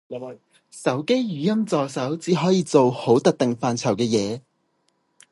手機語音助手只可以做好特定範疇嘅嘢